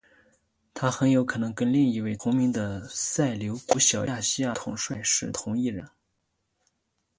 他很有可能跟另一位同名的塞琉古小亚细亚统帅是同一人。